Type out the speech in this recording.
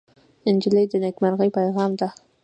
نجلۍ د نیکمرغۍ پېغام ده.